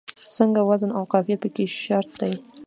ځکه وزن او قافیه پکې شرط دی.